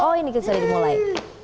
oh ini sudah dimulai